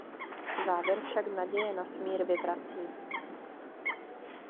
Závěr však naděje na smír vyvrací.